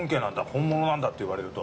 「本物なんだ」って言われると。